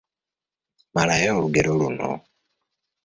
Malayo olugero luno.